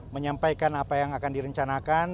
menyampaikan apa yang akan direncanakan